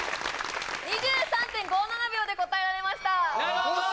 ２３．５７秒で答えられましたなるほど！